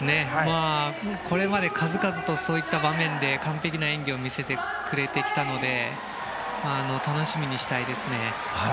これまで数々とそういった場面で完璧な演技を見せてくれてきたので楽しみにしたいですね。